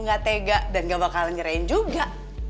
gak tega dan gak bakal nyerahin juga